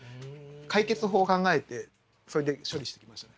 解決法を考えてそれで処理してきましたね。